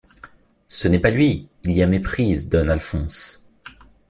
Ce n’est pas lui! il y a méprise, don Alphonse.